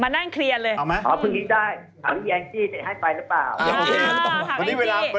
เดี๋ยวผมจะเชิญมานะ